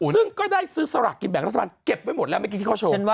ซึ่งก็ได้ซื้อสลากกินแบ่งรัฐบาลเก็บไว้หมดแล้วเมื่อกี้ที่เขาโชว์